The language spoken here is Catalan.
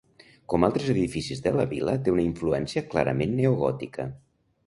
Com altres edificis de la vila té una influència clarament neogòtica.